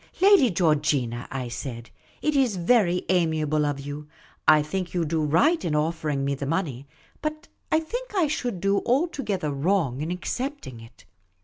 " Lady Georgina," I said, " it is very amiable of you. I think you do right in offering me the money ; but I think I should do altogether wrong in accepting it.